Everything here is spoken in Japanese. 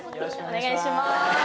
お願いします。